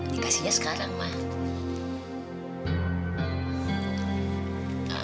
dikasihnya sekarang mak